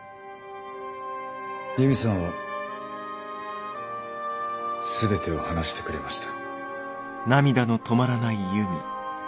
悠美さんは全てを話してくれました。